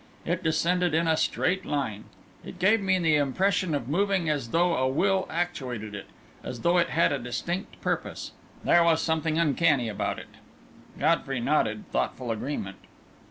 It descended in a straight line. It gave me the impression of moving as though a will actuated it as though it had a distinct purpose. There was something uncanny about it!" Godfrey nodded thoughtful agreement.